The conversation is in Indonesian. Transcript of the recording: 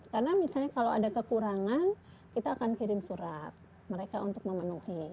karena misalnya kalau ada kekurangan kita akan kirim surat mereka untuk memenuhi